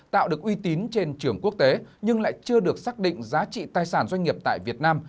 tạo được uy tín trên trường quốc tế nhưng lại chưa được xác định giá trị tài sản doanh nghiệp tại việt nam